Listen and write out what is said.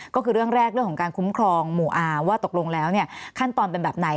ก็คือเรื่องแรกเรื่องของการคุ้มครองหมู่อาว่าตกลงแล้วเนี่ยขั้นตอนเป็นแบบไหน